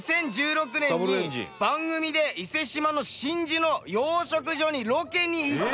２０１６年に番組で伊勢志摩の真珠の養殖所にロケに行ってます。